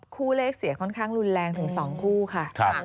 คู่เลขเสียค่อนข้างรุนแรงถึง๒คู่ค่ะ